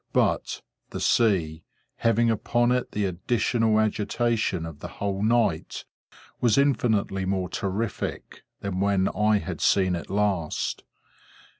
But, the sea, having upon it the additional agitation of the whole night, was infinitely more terrific than when I had seen it last.